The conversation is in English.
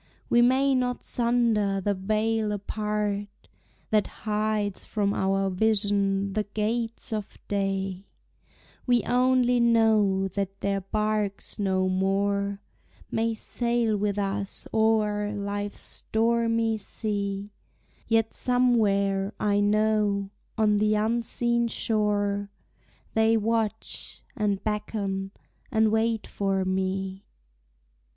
We may not sunder the veil apart That hides from our vision the gates of day; We only know that their barks no more May sail with us o'er life's stormy sea; Yet somewhere, I know, on the unseen shore, They watch, and beckon, and wait for me.